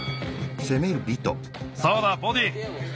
そうだボディー。